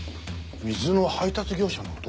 水の配達業者の男？